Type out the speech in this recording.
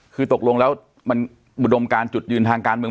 คือตกลงแล้วมันอุดมการจุดยืนทางการเมือง